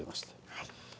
はい。